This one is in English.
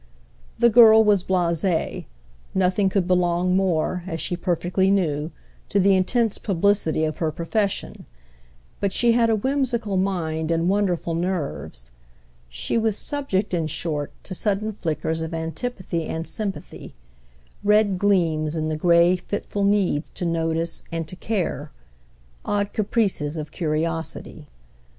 The girl was blasée; nothing could belong more, as she perfectly knew, to the intense publicity of her profession; but she had a whimsical mind and wonderful nerves; she was subject, in short, to sudden flickers of antipathy and sympathy, red gleams in the grey, fitful needs to notice and to "care," odd caprices of curiosity.